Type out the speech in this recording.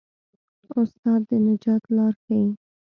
استاد د نجات لار ښيي.